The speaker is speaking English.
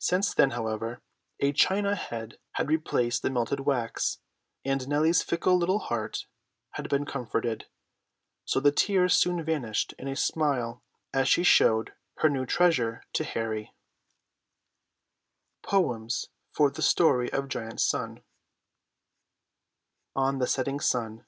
Since then, however, a china head had replaced the melted wax, and Nellie's fickle little heart had been comforted. So the tears soon vanished in a smile as she showed her new treasure to Harry. ON THE SETTING SUN.